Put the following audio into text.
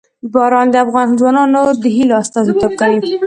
باران د افغان ځوانانو د هیلو استازیتوب کوي.